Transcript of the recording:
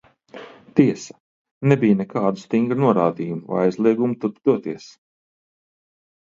Tiesa, nebija nekādu stingru norādījumu vai aizliegumu turp doties.